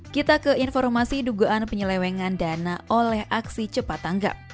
kita ke informasi dugaan penyelewengan dana oleh aksi cepat tanggap